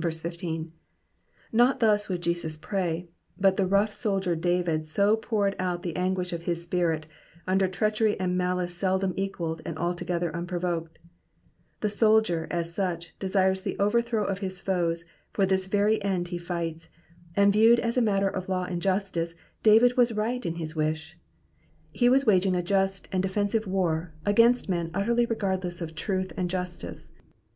15. Not thus would Jesus pray, but the rough soldier David so poured out the anguish of his spirit, under treachery and malice seldom equalled and altogether unprovoked. The soldier, as such, desires the overthrow of his foes, for this very end he fights ; and viewed as a matter of law and justice, David was right in his wish ; he was waging a just, defensive war against men utterly regardless of truth and justice.